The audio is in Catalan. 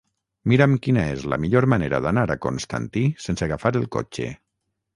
Mira'm quina és la millor manera d'anar a Constantí sense agafar el cotxe.